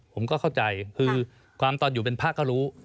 ผมก็เข้าใจคือความตอนอยู่เป็นพระก็รู้